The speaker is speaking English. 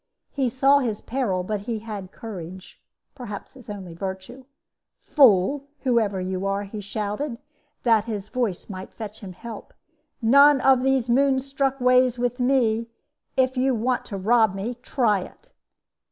"He saw his peril, but he had courage perhaps his only virtue. 'Fool! whoever you are,' he shouted, that his voice might fetch him help; 'none of these moon struck ways with me! If you want to rob me, try it!'